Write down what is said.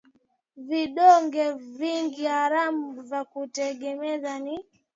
vidonge vingi haramu vya kutegemeza ni